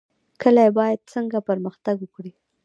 کلي باید څنګه پرمختګ وکړي؟